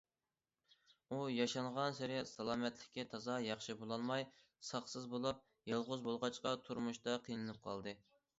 ئۇ ياشانغانسېرى سالامەتلىكى تازا ياخشى بولالماي ساقسىز بولۇپ، يالغۇز بولغاچقا تۇرمۇشتا قىينىلىپ قالدى.